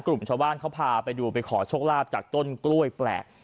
กลุ่มชาวบ้านเขาพาไปดูไปขอโชคลาภจากต้นกล้วยแปลก